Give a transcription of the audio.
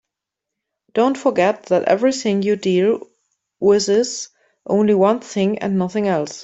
Don't forget that everything you deal with is only one thing and nothing else.